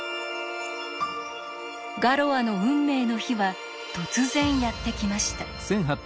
ガロアの運命の日は突然やって来ました。